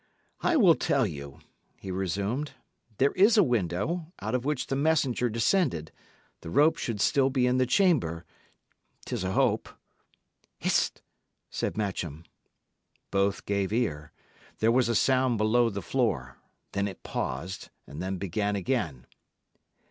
"I will tell you," he resumed. "There is a window, out of which the messenger descended; the rope should still be in the chamber. 'Tis a hope." "Hist!" said Matcham. Both gave ear. There was a sound below the floor; then it paused, and then began again.